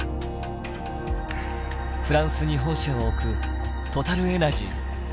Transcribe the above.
フランスに本社を置くトタル・エナジーズ。